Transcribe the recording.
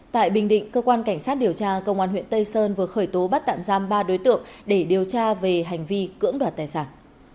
tại bình định cơ quan cảnh sát điều tra công an huyện tây sơn vừa khởi tố bắt tạm giam ba đối tượng để điều tra về hành vi cưỡng đoạt tài sản